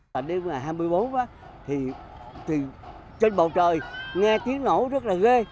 nếu mà hai mươi bốn á thì trên bầu trời nghe tiếng nổ rất là ghê